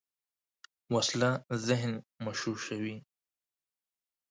وسله ذهن مشوشوي